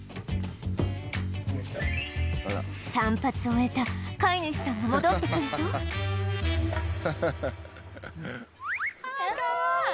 散髪を終えた飼い主さんが戻ってくるとああかわいい！